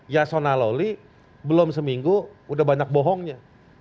yasona lawli belum seminggu udah banyak bohongnya